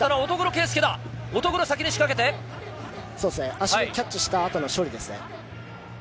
足をキャッチしたあとの処理ですね。